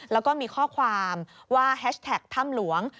แล้วก็มีข้อความว่าแฮชแท็กถ้ำหลวง